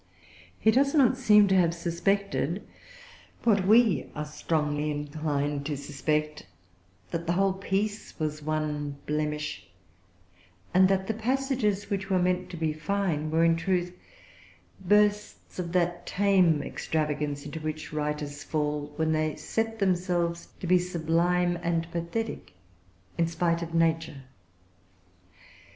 He does not seem to have suspected, what we are strongly inclined to suspect, that the whole piece was one blemish, and that the passages which were meant to be fine were, in truth, bursts of that tame extravagance into which writers fall when they set themselves to be sublime and pathetic in spite of nature.